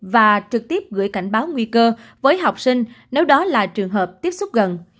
và trực tiếp gửi cảnh báo nguy cơ với học sinh nếu đó là trường hợp tiếp xúc gần